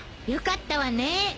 よかったわね。